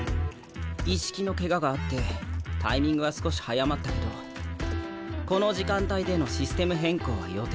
一色のケガがあってタイミングは少し早まったけどこの時間帯でのシステム変更は予定どおり。